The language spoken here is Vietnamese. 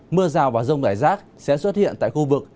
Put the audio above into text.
mưa rào và rông rải rác sẽ xuất hiện tại khu vực